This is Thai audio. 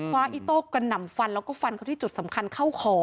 อิโต้กระหน่ำฟันแล้วก็ฟันเขาที่จุดสำคัญเข้าคอ